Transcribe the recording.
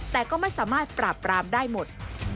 แต่ก็ไม่สามารถปราบปรามได้หมด